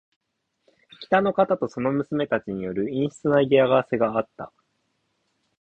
北の方とその娘たちによる陰湿な嫌がらせがあった。